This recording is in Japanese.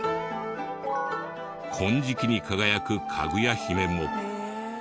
金色に輝くかぐや姫も。